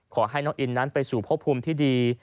ขอให้น้องอินนั้นไปสู่พบภูมิที่ดี